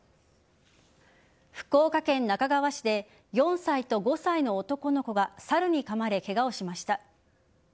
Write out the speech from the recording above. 福岡県那珂川市で４歳と５歳の男の子がサルにかまれ、ケガをしました。